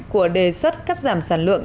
của đề xuất cắt giảm sản lượng